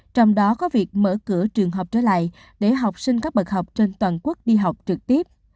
trong đó có việc mở cửa trường học trở lại để học sinh các bậc học trên toàn quốc đi học trực tiếp